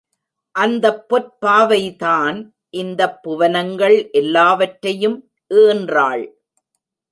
அந்தப் பொற்பாவைதான் இந்தப் புவனங்கள் எல்லாவற்றையும் ஈன்றாள்.